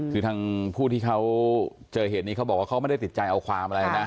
คือทางผู้ที่เขาเจอเหตุนี้เขาบอกว่าเขาไม่ได้ติดใจเอาความอะไรนะ